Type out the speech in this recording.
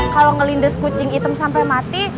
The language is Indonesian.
kalau ngelindes kucing hitam sampai mati